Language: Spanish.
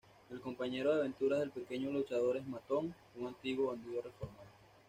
El compañero de aventuras del "Pequeño Luchador" es Matón, un antiguo bandido reformado.